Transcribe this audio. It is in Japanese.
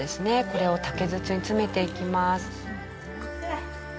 これを竹筒に詰めていきます。